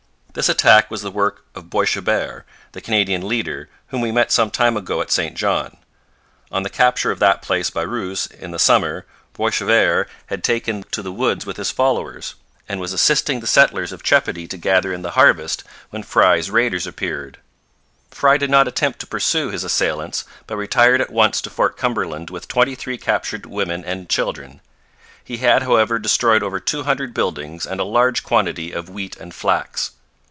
This attack was the work of Boishebert, the Canadian leader, whom we met some time ago at St John. On the capture of that place by Rous in the summer Boishebert had taken to the woods with his followers, and was assisting the settlers of Chepody to gather in the harvest when Frye's raiders appeared. Frye did not attempt to pursue his assailants, but retired at once to Fort Cumberland with twenty three captured women and children. He had, however, destroyed over two hundred buildings and a large quantity of wheat and flax.